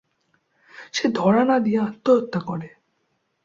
সে ধরা না দিয়ে আত্মহত্যা করে।